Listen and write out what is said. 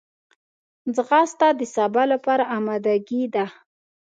ځغاسته د سبا لپاره آمادګي ده